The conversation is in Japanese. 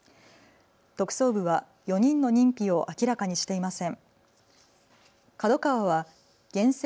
特捜部は４人の認否を明らかにしていません。